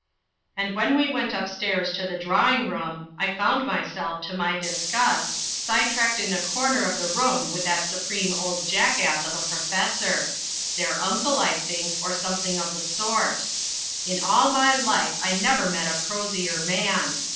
And when we went upstairs to the drawing room I found myself, to my disgust, side tracked in a corner of the room with that supreme old jackass of a professor their uncle, I think, or something of the sort. In all my life I never met a prosier man.